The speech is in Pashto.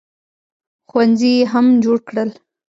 ښوونځي یې هم جوړ کړل.